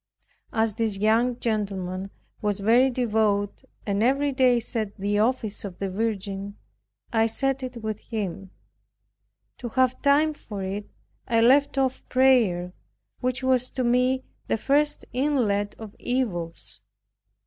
As this young gentleman was very devout, and every day said the office of the Virgin, I said it with him. To have time for it, I left off prayer which was to me the first inlet of evils.